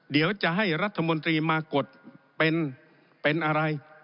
เดี๋ยวจะให้รัฐมนตรีมากดเป็นเป็นอะไร